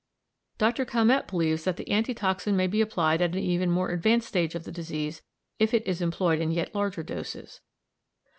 Dr. Calmette believes that the anti toxin may be applied at an even more advanced stage of the disease if it is employed in yet larger doses.